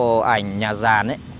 cái bộ ảnh nhà giàn